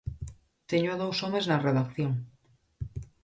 Teño a dous homes na redacción.